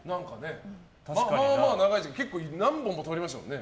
まあまあ長い時間結構、何本も撮りましたもんね。